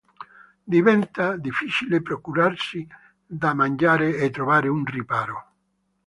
Diventa difficile procurarsi da mangiare e trovare un riparo.